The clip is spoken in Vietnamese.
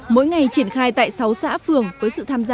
mỗi ngày triển khai tại sáu xã phường với sự tham gia